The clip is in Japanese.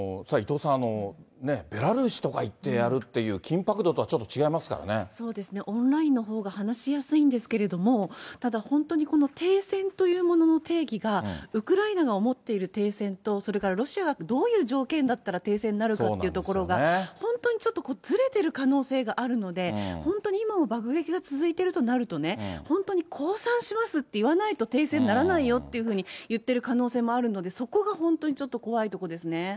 さあ、伊藤さん、ベラルーシとか行ってやるという緊迫度とはちょっと違いますからそうですね、オンラインのほうが話しやすいんですけれども、ただ本当に停戦というものの定義が、ウクライナが思っている停戦と、それからロシアがどういう条件だったら停戦になるかっていうところが、本当にちょっとずれてる可能性があるので、本当に今も爆撃が続いてるとなるとね、本当に降参しますって言わないと、停戦にならないよっていうふうに言ってる可能性もあるので、そこが本当にちょっとちょっと怖いとこですね。